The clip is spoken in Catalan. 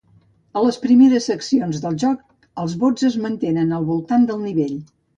A les primeres seccions del joc, els bots es mantenen al voltant del nivell.